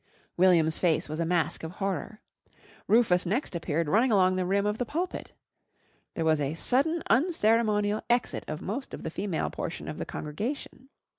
William's face was a mask of horror. Rufus next appeared running along the rim of the pulpit. There was a sudden unceremonial exit of most of the female portion of the congregation.